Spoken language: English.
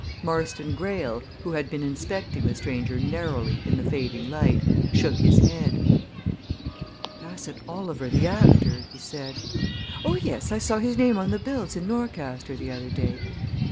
Marston Greyle, who had been inspecting the stranger narrowly in the fading light, shook his head. "Bassett Oliver, the actor," he said. "Oh, yes, I saw his name on the bills in Norcaster the other day.